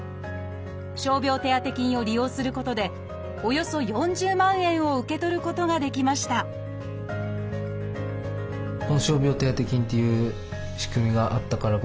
傷病手当金を利用することでおよそ４０万円を受け取ることができましたというところはよかったところですね。